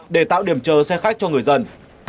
để tạo điểm chờ xe khách cho người dân